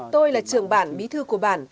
tôi là trưởng bản bí thư của bản